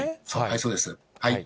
そうです。